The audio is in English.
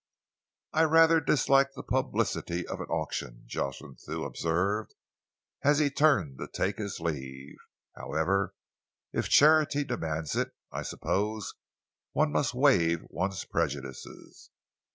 "I rather dislike the publicity of an auction," Jocelyn Thew observed, as he turned to take his leave. "However, if charity demands it, I suppose one must waive one's prejudices."